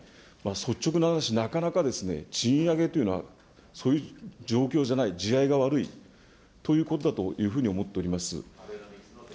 率直な話、なかなか賃上げというのはそういう状況じゃない、が悪い、ということだと思っております。